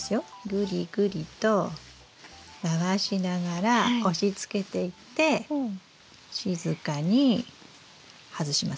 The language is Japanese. グリグリと回しながら押しつけていって静かに外しますよ。